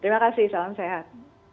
terima kasih salam sehat